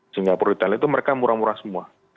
singapura retail itu mereka murah murah semua